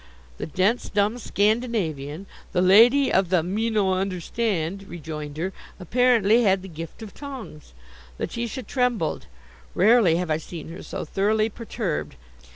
The dense, dumb Scandinavian the lady of the "me no understand" rejoinder apparently had the "gift of tongues." Letitia trembled. Rarely have I seen her so thoroughly perturbed.